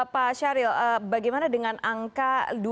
pak syahril bagaimana dengan angka